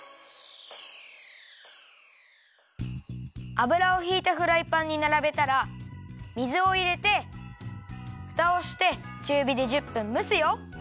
油をひいたフライパンにならべたら水をいれてフタをしてちゅうびで１０分むすよ。